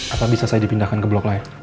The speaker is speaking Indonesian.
apa bisa saya dipindahkan ke blok lain